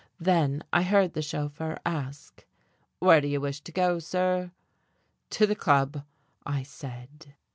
Then I heard the chauffeur ask: "Where do you wish to go, sir?" "To the Club," I said.